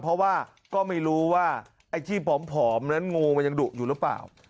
เพราะว่าก็ไม่รู้ว่าไอ้ที่ผอมนั้นงูมันยังดุอยู่หรือเปล่า